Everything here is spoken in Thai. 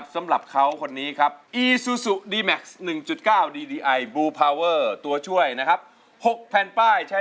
จะเอาสมาธิที่ไหนมาเชิญ